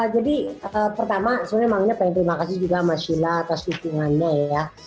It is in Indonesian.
jadi pertama sebenarnya mama ina pengen terima kasih juga sama sheila atas dukungannya ya